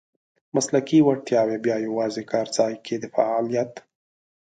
مسلکي وړتیاوې بیا یوازې کارځای کې د فعالیت .